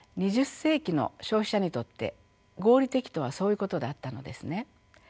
２０世紀の消費者にとって合理的とはそういうことだったのですね。